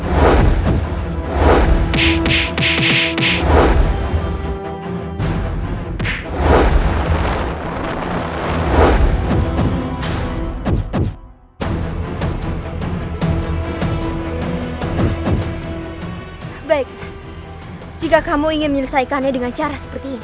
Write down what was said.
hai baik jika kamu ingin menyelesaikannya dengan cara seperti ini